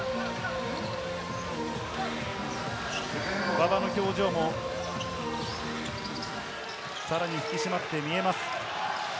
馬場の表情もさらに引き締まって見えます。